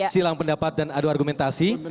silang pendapat dan adu argumentasi